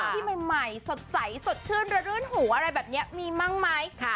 ที่ใหม่ใหม่สดใสสดชื่นระลื้นหัวอะไรแบบเนี้ยมีมั่งไหมค่ะ